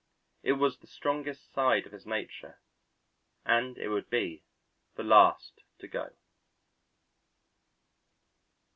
It was the strongest side of his nature and it would be the last to go.